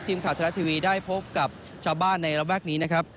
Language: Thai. ทีมข่าวธนาทีวีได้พบกับชาวบ้านในระแวกนี้นะครับ